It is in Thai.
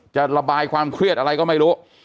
จะระบายความเครียดอะไรก็ไม่รู้